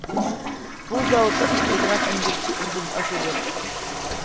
بۇ زاۋۇتتا ئىشلەيدىغان ئەمگەكچى ئوندىن ئاشىدۇ.